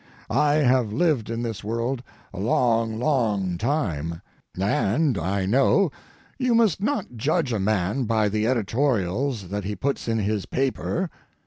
I have lived in this world a long, long time, and I know you must not judge a man by the editorials that he puts in his paper.